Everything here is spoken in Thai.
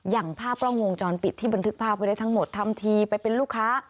อย่างภาพกล้องวงจรปิดที่บันทึกภาพไว้ได้ทั้งหมดทำทีไปเป็นลูกค้า